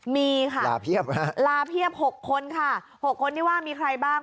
มีค่ะลาเพียบ๖คนค่ะที่ว่ามีใครบ้าง